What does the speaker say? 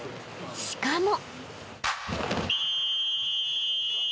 ［しかも］